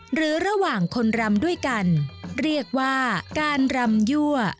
หรือระหว่างคนรำด้วยกันเรียกว่าการรำยั่ว